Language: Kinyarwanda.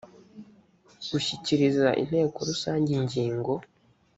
gushyikiriza inteko rusange ingingo